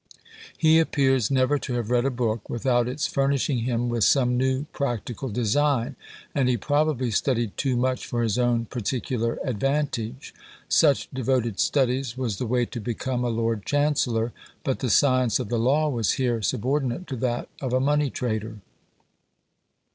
He appears never to have read a book without its furnishing him with some new practical design, and he probably studied too much for his own particular advantage. Such devoted studies was the way to become a lord chancellor; but the science of the law was here subordinate to that of a money trader.